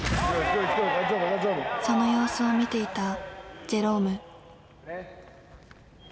その様子を見ていたジェローム。